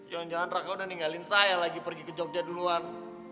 jangan jangan raka udah ninggalin saya lagi pergi ke jogja duluan